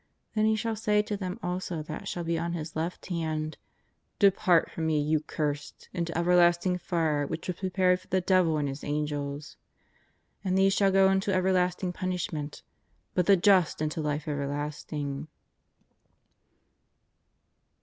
Then He shall say to them also that shall be on His left hand : Depart from Me, you cursed, into everlasting fire which was prepared for the devil and his angels. And these shall go into everlasting punishment, but the just into life everlasting.''